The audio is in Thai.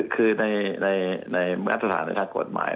คือในมาตรฐานในทางกฎหมาย